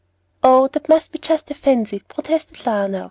"Oh, that must be just a fancy," protested Lionel.